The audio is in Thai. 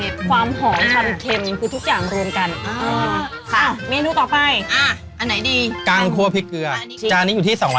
๔๒๐บาทนะคะพี่นุ่มไปต้องชิมไว้ค่ะจานนี้ค่ะชิมเลย